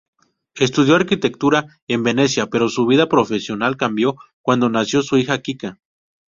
Estudió arquitectura en Venecia, pero su vida profesional cambió cuando nació su hija Kika.